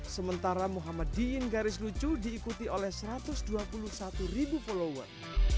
sementara muhammadiyin garis lucu diikuti oleh satu ratus dua puluh satu ribu follower